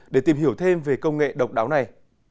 để tìm hiểu thêm về công nghệ độc đáo này